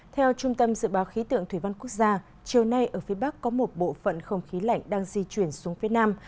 theo trung tâm dự báo khí tượng thủy văn quốc gia chiều nay ở phía bắc có một bộ phận không khí lạnh đang di chuyển xuống phía nam